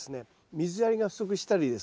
水やりが不足したりですね